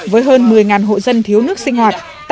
với hơn một mươi hộ dân thiếu nước sinh hoạt